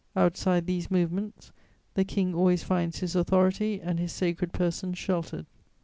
Outside these movements, the King always finds his authority and his sacred Person sheltered.